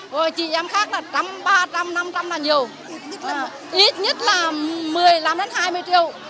rồi chị em khác là ba trăm linh năm trăm linh là nhiều ít nhất là một mươi năm đến hai mươi triệu